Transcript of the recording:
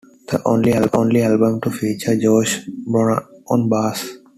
The only album to feature Josh Barohn on bass.